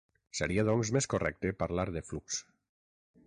Seria doncs més correcte parlar de flux.